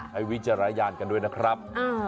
ให้วิจาระยานกันด้วยนะครับ